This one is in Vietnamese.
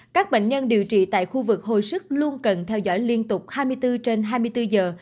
các bệnh nhân điều trị tại khu vực hồi sức luôn cần theo dõi liên tục hai mươi bốn trên hai mươi bốn giờ